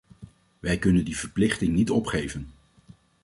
Wij kunnen die verplichting niet opgeven.